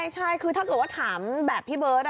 ใช่คือถ้าเกิดว่าถามแบบพี่เบิร์ต